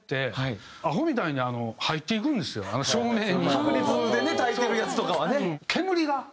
白熱でねたいてるやつとかはね。